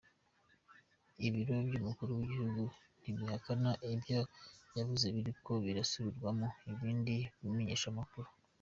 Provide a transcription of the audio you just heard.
Ibiro vy'umukuru w'igihugu ntibihakana ivyo yavuze biriko birasubirwamwo n'ibindi bimenyeshamakuru.